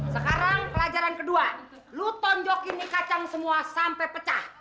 sekarang pelajaran kedua lu tonjok ini kacang semua sampai pecah